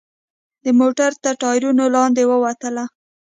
د موټر تر ټایرونو لاندې ووتله.